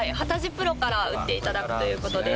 プロから打っていただくという事です。